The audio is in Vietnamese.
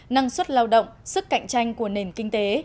năng suất lao động sức cạnh tranh của nền kinh tế